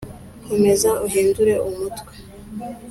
komeza uhindure umutwe